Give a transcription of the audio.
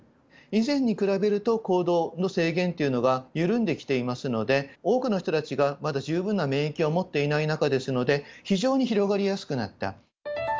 以前に比べると行動の制限というのが緩んできていますので、多くの人たちがまだ十分な免疫を持っていない中ですので、非常に広がりやすくなった。